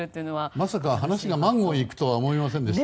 まさか話がマンゴーに行くとは思いませんでした。